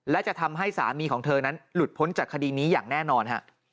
และจะทำให้สามีของเธอนั้นหลุดพ้นจากคดีนี้อย่างแน่นอน